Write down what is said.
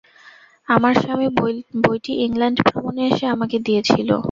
আমার স্বামী বইটি ইংল্যান্ড ভ্রমনে এসে আমাকে দিয়েছিল।